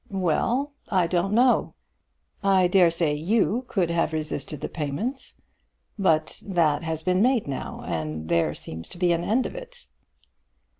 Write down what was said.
"Well; I don't know. I dare say you could have resisted the payment. But that has been made now, and there seems to be an end of it."